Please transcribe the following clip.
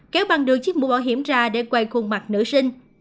kéo băng đường chiếc mũ bảo hiểm ra để quay khuôn mặt nữ sinh